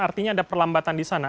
artinya ada perlambatan di sana